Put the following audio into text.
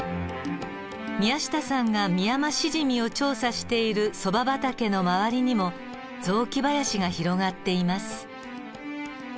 宮下さんがミヤマシジミを調査しているそば畑の周りにも雑木林が広がっています。